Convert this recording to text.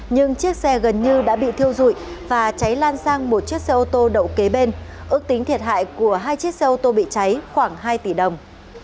nhưng chiếc xe gần như đã bị thiêu dụi và cháy lan sang một chiếc xe ô tô đậu kế bên ước tính thiệt hại của hai chiếc xe ô tô bị cháy khoảng hai tỷ đồng